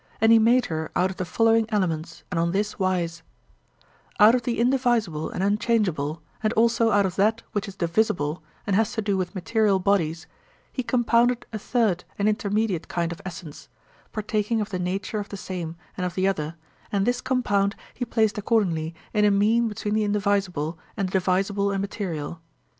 And he made her out of the following elements and on this wise: Out of the indivisible and unchangeable, and also out of that which is divisible and has to do with material bodies, he compounded a third and intermediate kind of essence, partaking of the nature of the same and of the other, and this compound he placed accordingly in a mean between the indivisible, and the divisible and material.